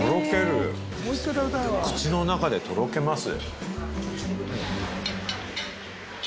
口の中でとろけます。